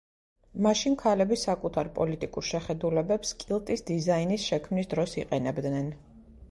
მაშინ ქალები საკუთარ პოლიტიკურ შეხედულებებს, კილტის დიზაინის შექმნის დროს იყენებდნენ.